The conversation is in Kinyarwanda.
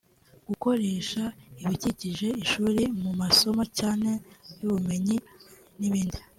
gukoresha ibikikije ishuri mu masomo cyane y’ubumenyi n’ibindi